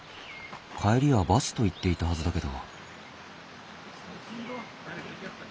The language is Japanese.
「帰りはバス」と言っていたはずだけど。